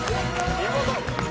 見事。